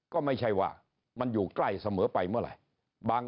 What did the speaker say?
ก็ไม่ใช่ว่ามันอยู่ใกล้เสมอไปเมื่อไหร่